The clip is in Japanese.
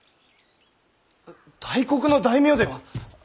大国の大名では何故。